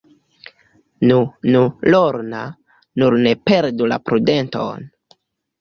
Nu, nu, Lorna, nur ne perdu la prudenton.